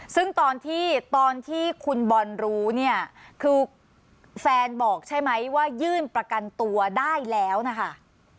ซึ่งตอนที่ตอนที่คุณบอลรู้เนี่ยคือแฟนบอกใช่ไหมว่ายื่นประกันตัวได้แล้วนะคะ